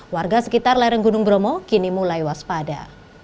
warga sekitar lereng gunung bromo kini mulai waspada